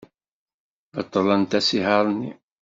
Beṭlent asihaṛ-nni.